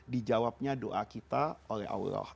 di jawabnya doa kita oleh allah